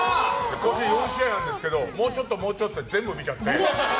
４試合なんですけどもうちょっともうちょっとで全部見ちゃって。